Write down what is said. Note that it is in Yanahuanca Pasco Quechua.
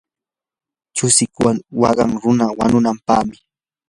chusiq waqan runa wanunampaqmi.